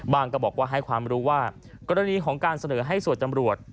ก็บอกว่าให้ความรู้ว่ากรณีของการเสนอให้สวดจำรวจ